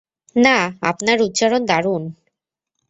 না, আপনার উচ্চারণ দারুণ।